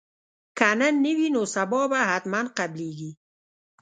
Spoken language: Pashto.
که نن نه وي نو سبا به حتما قبلیږي